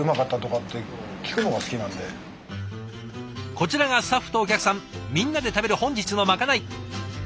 こちらがスタッフとお客さんみんなで食べる本日のまかない。